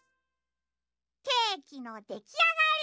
ケーキのできあがり。